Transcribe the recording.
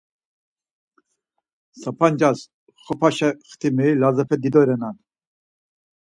Sapancas Xop̌eşe xtimeri Lazepe dido renan.